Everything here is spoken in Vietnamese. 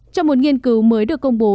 trong một nghiên cứu mới được công bố